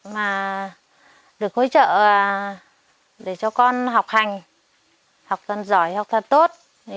mà được hỗ trợ để cho con học hành học thật giỏi học thật tốt